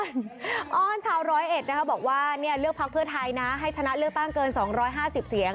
อ้อนชาวร้อยเอ็ดนะคะบอกว่าเลือกพักเพื่อไทยนะให้ชนะเลือกตั้งเกิน๒๕๐เสียง